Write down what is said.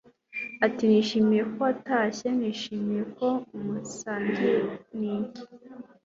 ati nishimiye ko watashye. nishimiye ko musangiye niki